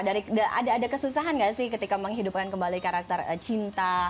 dari ada kesusahan gak sih ketika menghidupkan kembali karakter cinta